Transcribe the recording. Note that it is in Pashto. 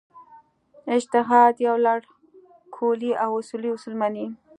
اجتهاد یو لړ کُلي او اصلي اصول مني.